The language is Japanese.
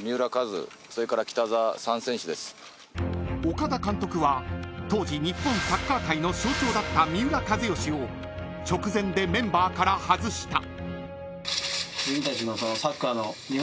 ［岡田監督は当時日本サッカー界の象徴だった三浦知良を直前でメンバーから外した］